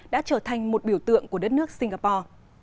đã trở thành một biểu tượng của đất nước singapore